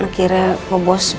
kira bu bos balik